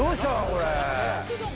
これ。